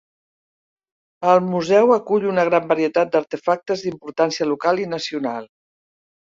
El museu acull una gran varietat d'artefactes d'importància local i nacional.